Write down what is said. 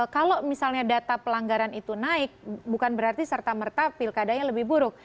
kalau misalnya data pelanggaran itu naik bukan berarti serta merta pilkadanya lebih buruk